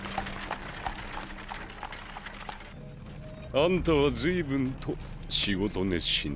あんたは随分と仕事熱心のようだ。